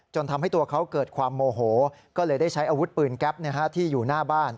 ทำให้ตัวเขาเกิดความโมโหก็เลยได้ใช้อาวุธปืนแก๊ปที่อยู่หน้าบ้าน